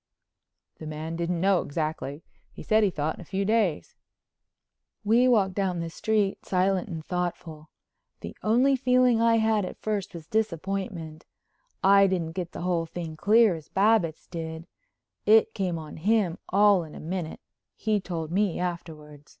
"The man didn't know exactly. He said he thought in a few days." We walked down the street silent and thoughtful. The only feeling I had at first was disappointment. I didn't get the whole thing clear as Babbitts did. It came on him all in a minute, he told me afterward.